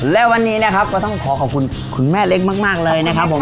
และวันนี้นะครับก็ต้องขอขอบคุณคุณแม่เล็กมากเลยนะครับผม